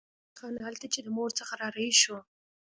مومن خان هلته چې د مور څخه را رهي شو.